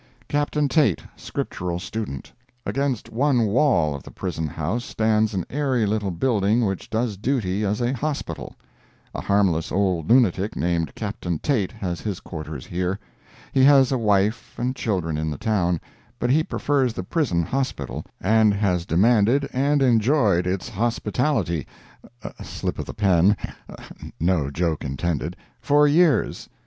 CAPTAIN TAIT, SCRIPTURAL STUDENT Against one wall of the prison house stands an airy little building which does duty as a hospital. A harmless old lunatic, named Captain Tait, has his quarters here. He has a wife and children in the town, but he prefers the prison hospital, and has demanded and enjoyed its hospitality (slip of the pen—no joke intended) for years.